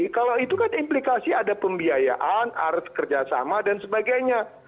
kalau itu kan implikasi ada pembiayaan harus kerjasama dan sebagainya